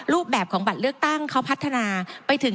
รูปแบบของบัตรเลือกตั้งเขาพัฒนาไปถึง